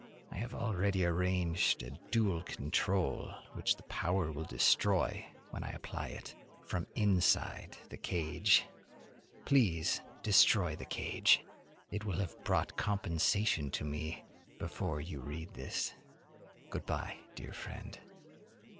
I have already arranged a dual control which the power will destroy when I apply it from the inside of the cage. Please destroy the cage. It will have brought compensation to me before you read this. Good by, dear friend!